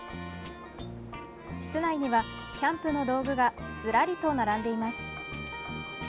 室内には、キャンプの道具がずらりと並んでいます。